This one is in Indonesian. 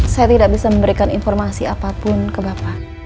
saya tidak bisa memberikan informasi apapun ke bapak